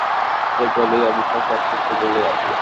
সে গোলেই অবিশ্বাস্য এক কীর্তি গড়ল রাশিয়া।